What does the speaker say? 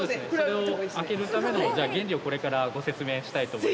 これを開けるための原理をこれからご説明したいと思いますので。